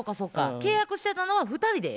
契約してたのは２人でやもんな。